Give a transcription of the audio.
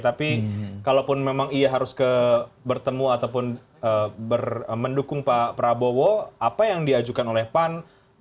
tapi kalaupun memang ia harus bertemu ataupun mendukung pak prabowo apa yang diajukan oleh pan